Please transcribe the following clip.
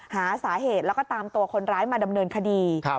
หาสาเหตุแล้วก็ตามตัวคนร้ายมาดำเนินคดี